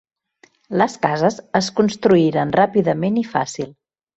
Les cases es construïren ràpidament i fàcil.